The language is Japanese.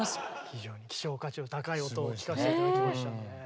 非常に希少価値の高い音を聴かせて頂きましたねぇ。